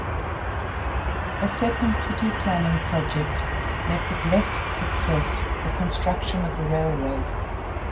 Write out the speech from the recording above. A second city planning project met with less success the construction of the railroad.